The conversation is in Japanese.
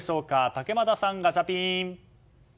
竹俣さん、ガチャピン！